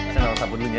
senang sabunin ya